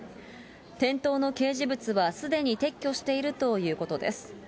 店頭の掲示物はすでに撤去しているということです。